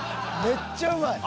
［めっちゃうまい］